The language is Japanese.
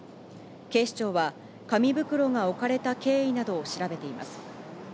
警視庁は紙袋が置かれた経緯などを調べています。